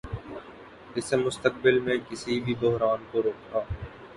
اس سے مستقبل میں کسی بھی بحران کو روکا